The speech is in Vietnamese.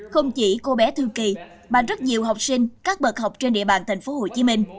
không chỉ cô bé thương kỳ mà rất nhiều học sinh các bậc học trên địa bàn thành phố hồ chí minh